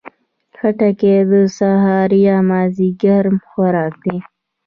خټکی د سهار یا مازدیګر خوراک ده.